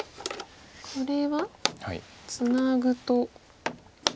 これはツナぐと。